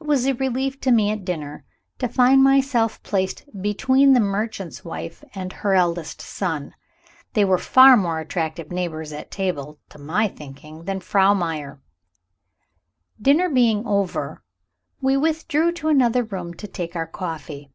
It was a relief to me, at dinner, to find myself placed between the merchant's wife and her eldest son. They were far more attractive neighbors at table, to my thinking, than Frau Meyer. Dinner being over, we withdrew to another room to take our coffee.